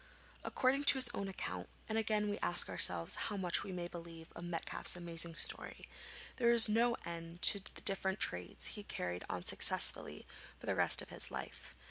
According to his own account and again we ask ourselves how much we may believe of Metcalfe's amazing story there was no end to the different trades he carried on successfully for the rest of his life.